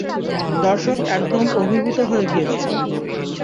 দর্শক একদম অভিভূত হয়ে গিয়েছিল।